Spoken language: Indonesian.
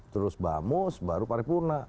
terus bamus baru paripurna